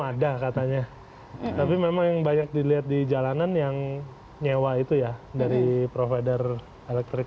ada katanya tapi memang yang banyak dilihat di jalanan yang nyewa itu ya dari provider elektrik